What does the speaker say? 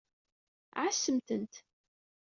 Ɛassemt-tent.